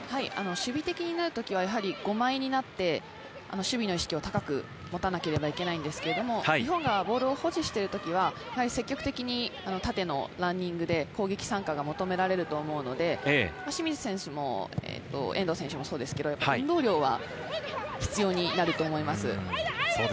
守備的になるときは５枚になって、守備の意識を高く持たなければいけないんですけれど、日本がボールを保持している時は積極的に縦のランニングで攻撃参加が求められると思うので、清水選手も遠藤選手も、運動量は必要になると思います。